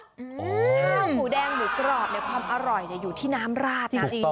ข้าวหมูแดงหรือกรอบความอร่อยอยู่ที่น้ำราดนะ